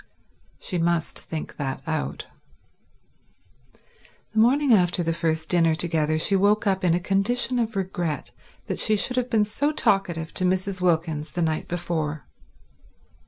She must think that out. The morning after the first dinner together, she woke up in a condition of regret that she should have been so talkative to Mrs. Wilkins the night before.